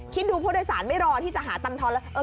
คิดดูผู้โดยสารไม่รอที่จะหาตังทอนแล้ว